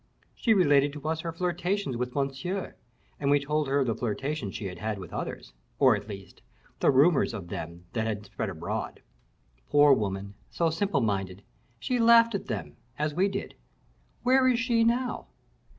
She related to us her flirtations with Monsieur, and we told her of the flirtations she had had with others, or, at least, the rumors of them that had spread abroad. Poor woman, so simple minded! she laughed at them, as we did. Where is she now?"